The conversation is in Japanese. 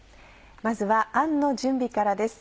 まずはあんの準備からです。